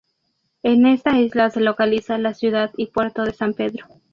En esta isla se localiza la ciudad y puerto de San Pedro.